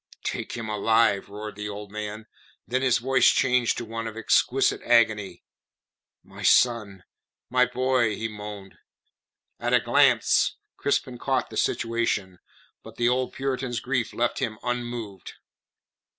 "Take him alive!" roared the old man. Then his voice changing to one of exquisite agony "My son, my boy," he moaned. At a glance Crispin caught the situation; but the old Puritan's grief left him unmoved.